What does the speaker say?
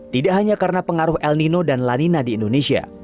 tidak hanya karena pengaruh el nino dan lanina di indonesia